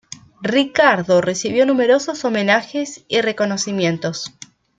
Ricardo recibió numerosos homenajes y reconocimientos.